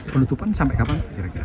penutupan sampai kapan